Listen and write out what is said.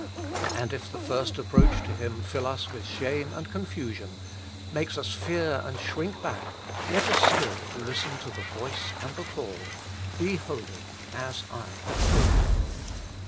And if the first approach to Him fill us with shame and confusion, make us fear and shrink back, let us still listen to the Voice and the Call, 'Be holy, as I am holy.'